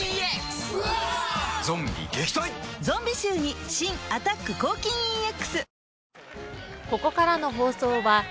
ゾンビ臭に新「アタック抗菌ＥＸ」